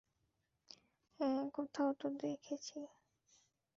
হ্যাঁ, কোথাও তো দেখেছি।